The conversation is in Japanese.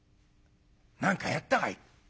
「何かやったかい？」。